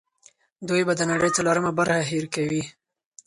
دوی به د نړۍ څلورمه برخه هېر کوي.